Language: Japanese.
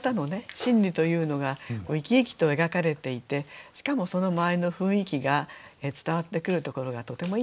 心理というのが生き生きと描かれていてしかもその周りの雰囲気が伝わってくるところがとてもいいと思いました。